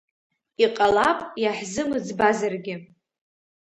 Иҟалап иаҳзымӡбазаргьы.